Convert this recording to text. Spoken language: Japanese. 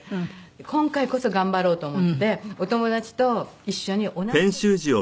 今回こそ頑張ろうと思ってお友達と一緒に同じテキストを始めて。